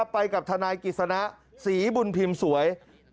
ไปกับทนายกิจสนะศรีบุญพิมพ์สวย